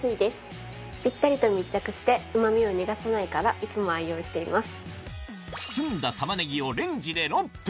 ぴったりと密着してうま味を逃がさないからいつも愛用しています。